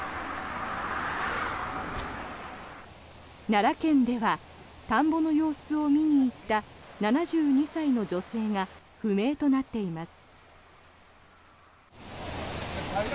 奈良県では田んぼの様子を見に行った７２歳の女性が不明となっています。